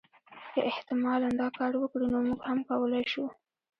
که احتمالا دا کار وکړي نو موږ هم کولای شو.